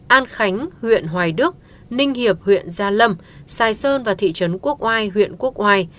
an khánh huyện hoài đức ninh hiệp huyện gia lâm sài sơn và thị trấn quốc oai huyện quốc oai